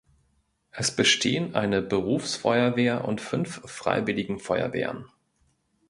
Es bestehen eine Berufsfeuerwehr und fünf Freiwilligen Feuerwehren.